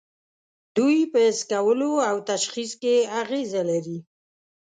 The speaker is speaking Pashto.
دوی په حس کولو او تشخیص کې اغیزه لري.